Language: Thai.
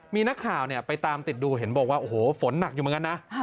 มีนักข่าวเนี่ยไปตามติดดูเห็นบอกว่าโอ้โหฝนหนักอยู่เหมือนกันนะ